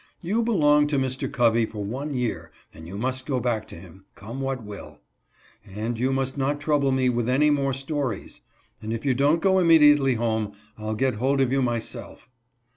You belong to Mr. Covey for one year, and you must go back to him, come what will; and you must not trouble me with any more stories; and if you don't go immediately home, I'll get hold of you myself."